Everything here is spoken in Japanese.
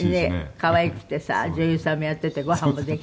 「可愛くてさ女優さんもやっててごはんもできてね